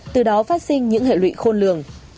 từ đó phát sinh những hệ lụy khôn lường